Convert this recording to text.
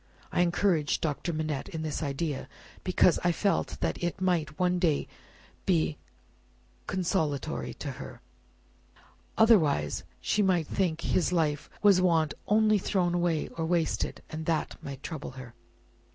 I encouraged Doctor Manette in this idea, because I felt that it might one day be consolatory to her. Otherwise, she might think 'his life was wantonly thrown away or wasted,' and that might trouble her."